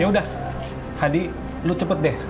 ya udah hadi lu cepet deh